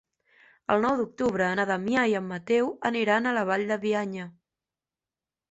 El nou d'octubre na Damià i en Mateu aniran a la Vall de Bianya.